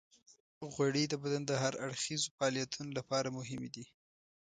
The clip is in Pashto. غوړې د بدن د هر اړخیزو فعالیتونو لپاره مهمې دي.